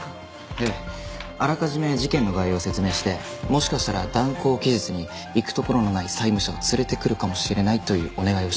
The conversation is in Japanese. ええあらかじめ事件の概要を説明して「もしかしたら断行期日に行くところのない債務者を連れてくるかもしれない」というお願いをしておくんです。